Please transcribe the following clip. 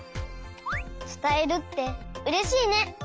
つたえるってうれしいね！